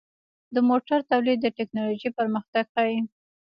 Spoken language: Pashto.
د موټرو تولید د ټکنالوژۍ پرمختګ ښيي.